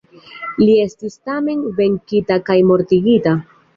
Li estis tamen venkita kaj mortigita.